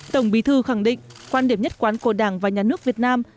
tổng bí thư khẳng định quan điểm nhất quán của đảng và nhà nước việt nam